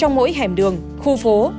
trong mỗi hẻm đường khu phố